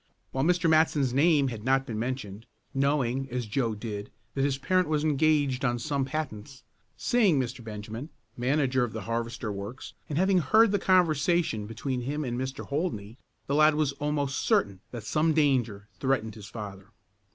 While Mr. Matson's name had not been mentioned, knowing, as Joe did, that his parent was engaged on some patents, seeing Mr. Benjamin, manager of the Harvester works, and having heard the conversation between him and Mr. Holdney, the lad was almost certain that some danger threatened his father.